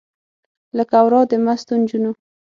لکه ورا د مستو نجونو